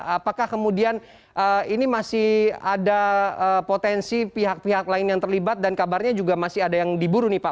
apakah kemudian ini masih ada potensi pihak pihak lain yang terlibat dan kabarnya juga masih ada yang diburu nih pak